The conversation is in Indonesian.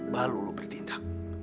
baru lu beri tindak